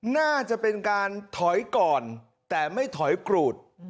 น่าจะเป็นการถอยก่อนแต่ไม่ถอยกรูด